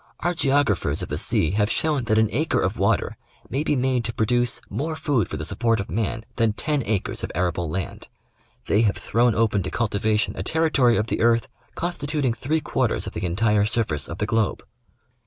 Our geographers of the sea have shown that an acre of water may be made to pro duce more food for the support of man than ten acres of arable land. They have thrown open to cultivation a territory of the earth constituting three quarters of the entire surface of the globe.